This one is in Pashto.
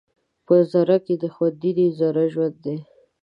په ذره کې دې خوندي د ذرې ژوند دی